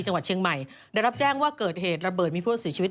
ซึ่งตอน๕โมง๔๕นะฮะทางหน่วยซิวได้มีการยุติการค้นหาที่